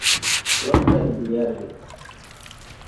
Rɔ́b ɓɛ̀n de yɛrgɛ̀.